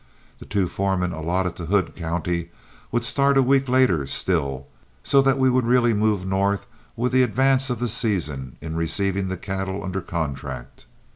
The two foremen allotted to Hood County would start a week later still, so that we would really move north with the advance of the season in receiving the cattle under contract.